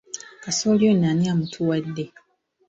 Kasooli ono ani amutuwadde?